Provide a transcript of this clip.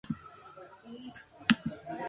Nola bizi zituen Telmok urteroko bidaia haiek, bai!